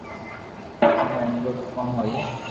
اپي ٻئي ملو تو ڪاو ھوئي